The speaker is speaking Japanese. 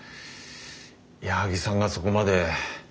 矢作さんがそこまで。